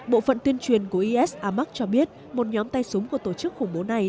bộ phận tuyên truyền của is amac cho biết một nhóm tay súng của tổ chức khủng bố này